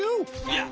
いや。